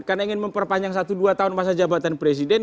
karena ingin memperpanjang satu dua tahun masa jabatan presiden